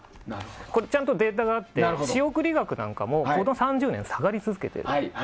ちゃんとデータがあって仕送り額もこの３０年、下がり続けている。